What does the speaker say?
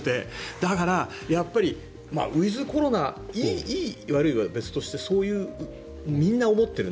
だから、ウィズコロナいい悪いは別としてそういうみんな思っているね